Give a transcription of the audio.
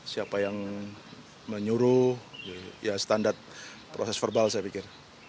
siapa yang menyuruh ya standar proses verbal saya pikir